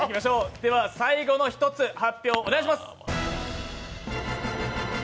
最後の１つ、発表お願いします。